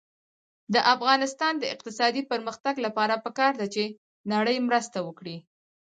د افغانستان د اقتصادي پرمختګ لپاره پکار ده چې نړۍ مرسته وکړي.